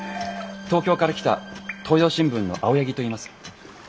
東京から来た東洋新聞の青柳といいます。